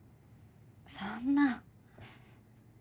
そんな。